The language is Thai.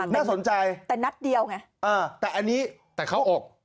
น่าสนใจแต่นัดเดียวไงแต่อันนี้แต่เข้าอก